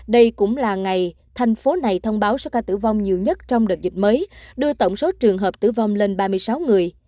đây cũng là ngày thành phố này thông báo số ca tử vong nhiều nhất trong đợt dịch mới đưa tổng số trường hợp tử vong lên ba mươi sáu người